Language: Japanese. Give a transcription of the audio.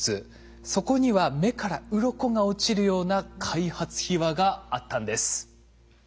そこには目からうろこが落ちるような開発秘話があったんです。